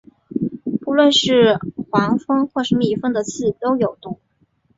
不论是黄蜂或是蜜蜂的刺都有毒。